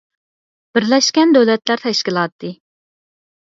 بىرلەشكەن دۆلەتلەر تەشكىلاتى